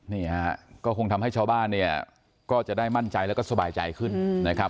นี่ฮะก็คงทำให้ชาวบ้านเนี่ยก็จะได้มั่นใจแล้วก็สบายใจขึ้นนะครับ